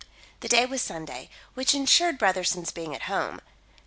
The day was Sunday, which ensured Brotherson's being at home.